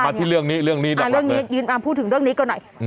เอามาที่เรื่องนี้เรื่องนี้อ่าเรื่องนี้อ่าพูดถึงเรื่องนี้ก็หน่อยอืม